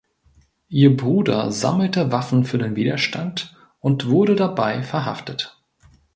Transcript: Ihr Bruder sammelte Waffen für den Widerstand und wurde dabei verhaftet.